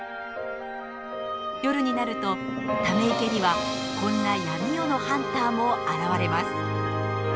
夜になるとため池にはこんな闇夜のハンターも現れます。